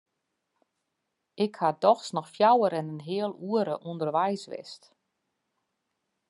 Ik ha dochs noch fjouwer en in heal oere ûnderweis west.